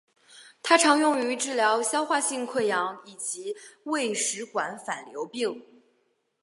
它常用于治疗消化性溃疡以及胃食管反流病。